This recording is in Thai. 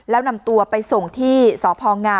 แล้วนำตัวไปส่งที่สพง